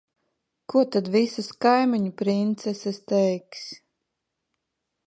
Ko tad visas kaimiņu princeses teiks?